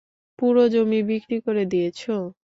পুরো জমি বিক্রি করে দিয়েছ?